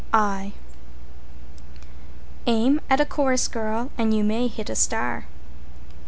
I Aim at a chorus girl and you may hit a star.